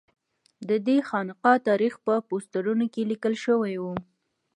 ددې خانقا تاریخ په پوسټرونو کې لیکل شوی و.